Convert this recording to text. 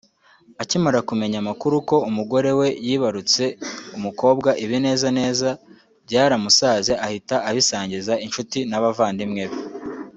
Akimara kumenya amakuru ko umugore we yibarutse umukobwa ibinezaneza byaramusaze ahita abisangiza inshuti n’abavandimwe be